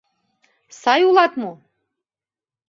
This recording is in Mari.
— Сай улат мо?